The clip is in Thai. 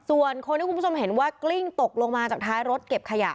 ส่วนคนที่คุณผู้ชมเห็นว่ากลิ้งตกลงมาจากท้ายรถเก็บขยะ